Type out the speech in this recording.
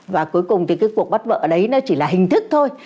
và cuối cùng thì cái cuộc bắt vợ đấy nó chỉ là hình thức thôi